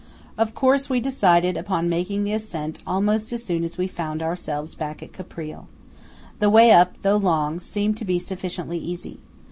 Of course we decided upon making the ascent almost as soon as we found ourselves back at Caprile. The way up, though long, seemed to be sufficiently easy.